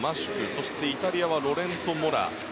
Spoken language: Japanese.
そしてイタリアはロレンツォ・モラ。